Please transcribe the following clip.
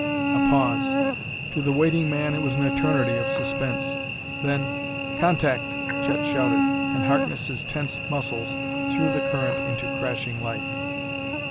A pause. To the waiting man it was an eternity of suspense. Then, "Contact!" Chet shouted, and Harkness' tense muscles threw the current into crashing life.